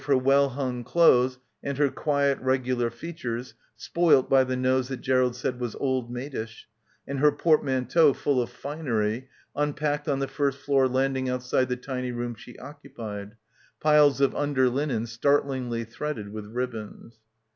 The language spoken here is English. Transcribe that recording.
her well hung clothes and her quiet regular features spoilt by the nose that Gerald said was old maidish, and her portmanteau full of finery, unpacked on the first floor landing outside the tiny room she occu pied — piles of underlinen startlingly threaded with ribbons.